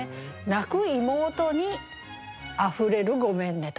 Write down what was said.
「泣く妹に溢れる『ごめんね』」とか。